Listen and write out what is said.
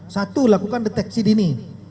satu lakukan deteksi dini